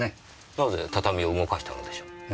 なぜ畳を動かしたのでしょう？え？